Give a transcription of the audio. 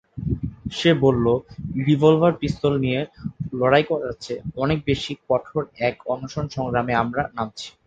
সে বলল, রিভলবার পিস্তল নিয়ে লড়াই করাই চেয়ে অনেক বেশি কঠোর এক অনশন সংগ্রামে আমরা নামছি।